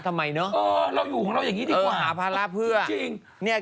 ทำไมเนอะเออเราอยู่ของเราอย่างนี้ดีกว่าหาภาระเพื่อนจริงเนี่ย